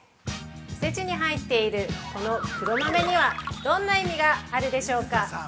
おせちに入っているこの黒豆にはどんな意味があるでしょうか。